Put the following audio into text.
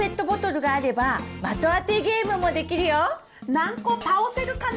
何個倒せるかな？